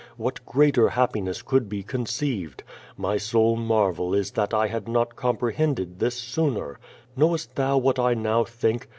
What greater happiness could be conceived? ^ly sole marvel is that I had not comprehended this sooner. Knowest thou what I now think?